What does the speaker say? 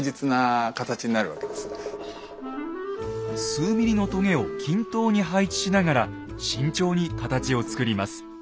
数ミリのとげを均等に配置しながら慎重に形を作ります。